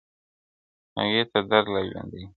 هغې ته درد لا ژوندی دی,